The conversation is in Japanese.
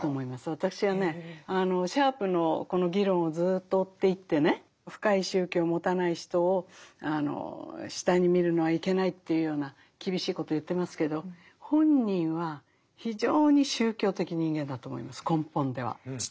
私はねシャープのこの議論をずっと追っていってね深い宗教を持たない人を下に見るのはいけないというような厳しいことを言ってますけど本人は非常に宗教的人間だと思います根本では。